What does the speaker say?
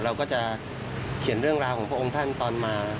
เราก็จะเขียนเรื่องราวของพระองค์ท่านตอนมา